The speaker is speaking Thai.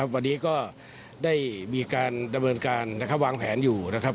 วันนี้ก็ได้มีการดำเนินการนะครับวางแผนอยู่นะครับ